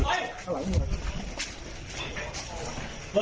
เปิดไฟ